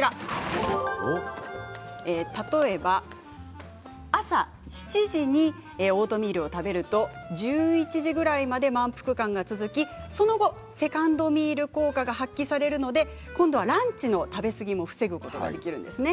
例えば朝７時にオートミールを食べると１１時ぐらいまで満腹感が続きその後セカンドミール効果が発揮されるので今度はランチの食べ過ぎも防ぐことができるんですね。